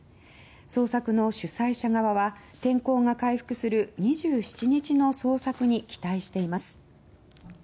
捜索の主催者側は天候が回復する２７日の捜索に期待しています。